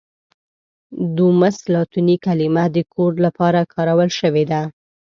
دوموس لاتیني کلمه د کور لپاره کارول شوې.